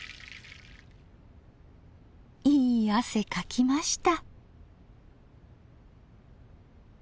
いい汗かきました。